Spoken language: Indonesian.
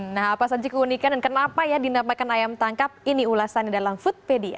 nah apa saja keunikan dan kenapa ya dinamakan ayam tangkap ini ulasannya dalam foodpedia